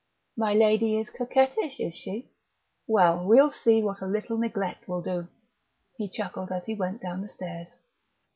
"My lady is coquettish, is she? Well, we'll see what a little neglect will do," he chuckled as he went down the stairs.